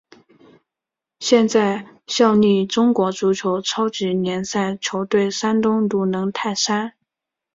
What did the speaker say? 现在效力中国足球超级联赛球队山东鲁能泰山。